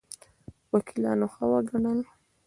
وکیلانو ښه ونه ګڼل.